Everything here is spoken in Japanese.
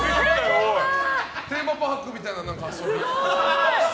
テーマパークみたいな。